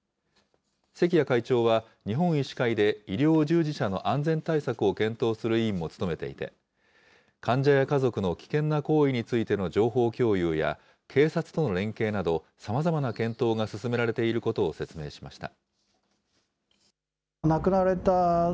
関谷会長は、日本医師会で医療従事者の安全対策を検討する委員も務めていて、患者や家族の危険な行為についての情報共有や、警察との連携など、さまざまな検討が進められていることを説明しました。